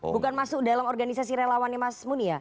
bukan masuk dalam organisasi relawannya mas muni ya